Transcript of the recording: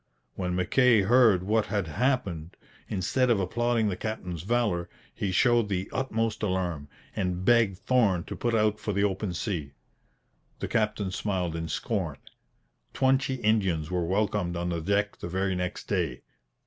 When Mackay heard what had happened, instead of applauding the captain's valour, he showed the utmost alarm, and begged Thorn to put out for the open sea. The captain smiled in scorn. Twenty Indians were welcomed on the deck the very next day.